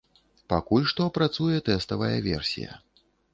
Пакуль што працуе тэставая версія.